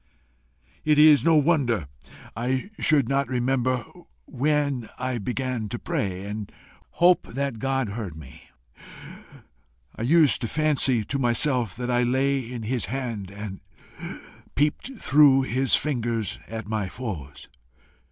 It is no wonder I should not remember when I began to pray, and hope that God heard me. I used to fancy to myself that I lay in his hand and peeped through his fingers at my foes.